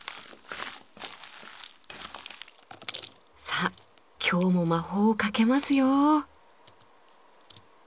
さあ今日も魔法をかけますよ。